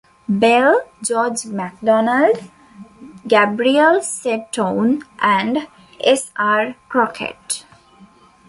Bell, George MacDonald, Gabriel Setoun, and S. R. Crockett.